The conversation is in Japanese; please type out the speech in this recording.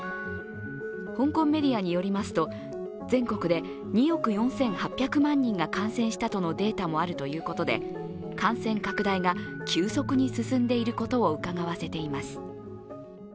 香港メディアによりますと全国で２億４８００万人が感染したとのデータもあるということで感染拡大が急速に進んでいることをうかがわせています。